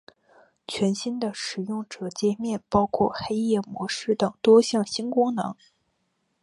全新的使用者界面包括黑夜模式等多项新功能。